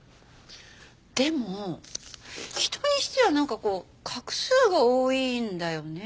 でも「人」にしてはなんかこう画数が多いんだよね。